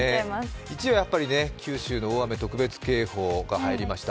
１位はやっぱり九州の大雨特別警報が入りました。